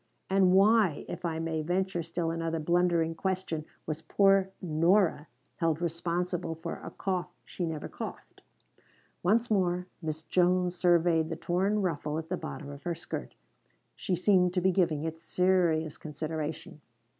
"And why, if I may venture still another blundering question, was poor Nora held responsible for a cough she never coughed?" Once more Miss Jones surveyed the torn ruffle at the bottom of her skirt. She seemed to be giving it serious consideration.